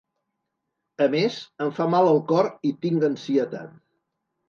A més, em fa mal el cor i tinc ansietat.